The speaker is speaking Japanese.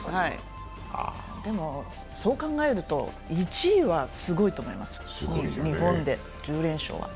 でもそう考えると１位はすごいと思いますよ、日本で、１０連勝は。